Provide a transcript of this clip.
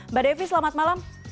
mbak devi selamat malam